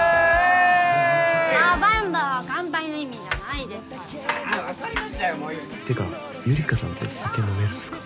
ラ・バンバは乾杯の意味じゃないですから分かりましたよってかゆりかさんって酒飲めるんすか？